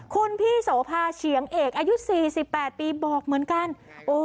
คุณพี่โสภาเฉียงเอกอายุสี่สิบแปดปีบอกเหมือนกันโอ้